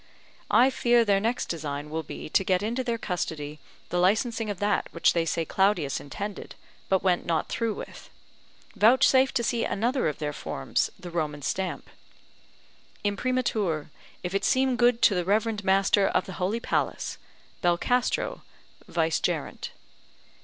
I fear their next design will be to get into their custody the licensing of that which they say Claudius intended, but went not through with. Vouchsafe to see another of their forms, the Roman stamp: Imprimatur, If it seem good to the reverend Master of the Holy Palace. BELCASTRO, Vicegerent.